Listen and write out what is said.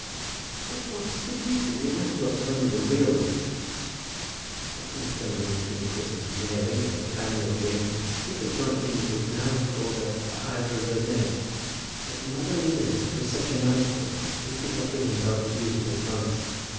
"But what's the reason? You might as well tell me the real reason." Had Miss Demolines been christened Mary, or Fanny, or Jane, I think that John Eames would now have called her by either of those names; but Madalina was such a mouthful that he could not bring himself to use it at once.